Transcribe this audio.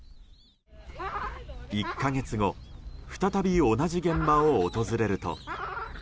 １か月後再び同じ現場を訪れると。